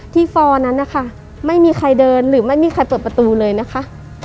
ฟอร์นั้นนะคะไม่มีใครเดินหรือไม่มีใครเปิดประตูเลยนะคะ